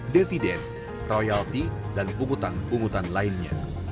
dividen royalty dan umutan umutan lainnya